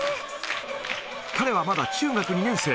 彼はまだ中学２年生。